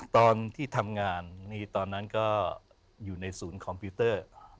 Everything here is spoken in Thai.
ตอนที่ทำงานนี่ตอนนั้นก็อยู่ในศูนย์คอมพิวเตอร์